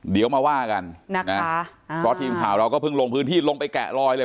เดี๋ยวมาว่ากันนะคะเพราะทีมข่าวเราก็เพิ่งลงพื้นที่ลงไปแกะลอยเลย